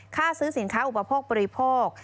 ค่าซื้อสินค้าอุปโภคบริโภค